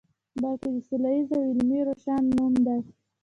بلکې د سولیز او علمي روش نوم دی.